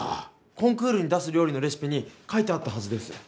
コンクールに出す料理のレシピに書いてあったはずです。